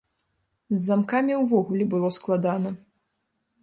З замкамі ўвогуле было складана.